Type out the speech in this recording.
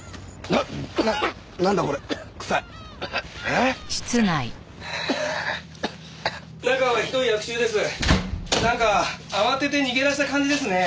なんか慌てて逃げ出した感じですね。